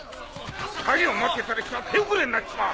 帰りを待ってたりしちゃ手遅れになっちまう！